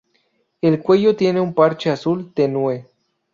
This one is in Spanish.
El cuello tiene un parche azul tenue.